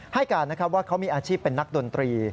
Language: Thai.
ให้การนะครับว่าเขามีอาชีพเป็นนักดนตรี